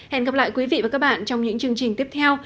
hẹn gặp lại quý vị và các bạn trong những chương trình tiếp theo